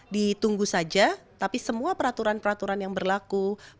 ditunggu saja tapi semua peraturan peraturan yang berlaku